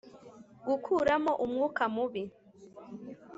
gukuramo umwuka mubi